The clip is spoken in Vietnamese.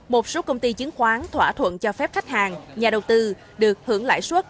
một số công ty chứng khoán thỏa thuận cho phép khách hàng nhà đầu tư được hưởng lãi suất